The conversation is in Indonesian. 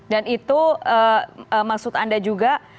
dan itu maksud anda juga